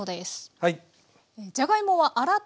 はい。